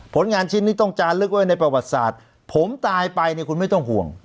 ผลงานชิ้นนี้ต้องจานลึกไว้ในประวัติศาสตร์ผมตายไปเนี่ยคุณไม่ต้องห่วง